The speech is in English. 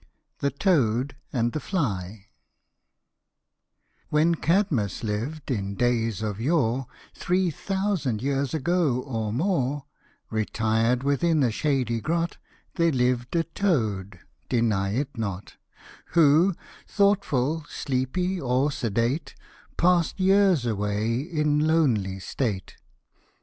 THE TOAD AND THE FLY WHEN Cadmus liv'd in days of yore, Three thousand years ago or more : Retired within a shady grot, There lived a toad deivr it not, Who, thoughtful, sleepy, or sedate, Pass'd years away in lonely state.